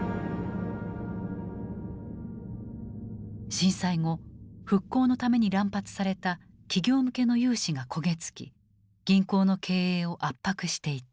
震災後復興のために乱発された企業向けの融資が焦げ付き銀行の経営を圧迫していた。